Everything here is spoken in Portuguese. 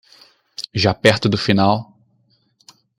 Já perto do final